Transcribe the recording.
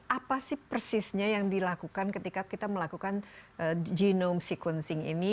apa sih persisnya yang dilakukan ketika kita melakukan genome sequencing ini